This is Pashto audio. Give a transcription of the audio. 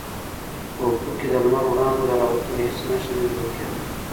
په افق کې د لمر وړانګو د راوتلو هېڅ نښه نه لیدل کېده.